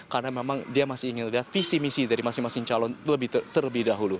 karena memang dia masih ingin melihat visi misi dari masing masing calon terlebih dahulu